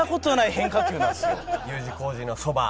Ｕ字工事のそば。